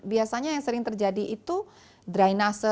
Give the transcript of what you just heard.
biasanya yang sering terjadi itu dry nasa